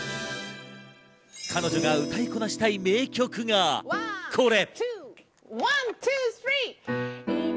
彼女が歌いこなしたい名曲がこれ！